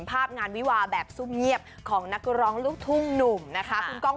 ภาพงานวิวาแบบซุ่มเงียบของนักร้องลูกทุ่งหนุ่มนะคะคุณก้อง